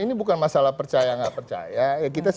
ini bukan masalah percaya nggak percaya